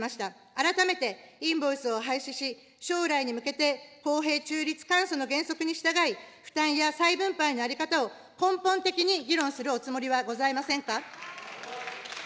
改めてインボイスを廃止し、将来に向けて公平、中立、簡素の原則に従い、負担や再分配の在り方を根本的に議論するおつもりはございませんか。